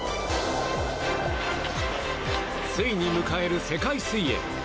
ついに迎える世界水泳。